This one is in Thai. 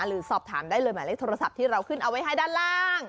หรือสอบถามได้เลยหมายเลขโทรศัพท์ที่เราขึ้นเอาไว้ให้ด้านล่าง